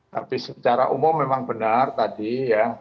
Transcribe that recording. tapi secara umum memang benar tadi ya